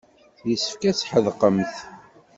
Yessefk ad tḥedqemt.